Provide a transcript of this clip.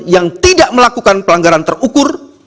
yang tidak melakukan pelanggaran terukur